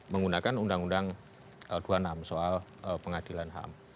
menggunakan undang undang dua puluh enam soal pengadilan ham